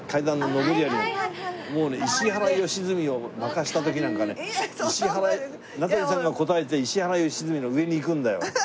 もうね石原良純を負かした時なんかね名取さんが答えて石原良純の上に行くんだよ。